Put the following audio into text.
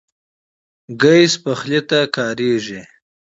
ګاز پخلی ته کارېږي.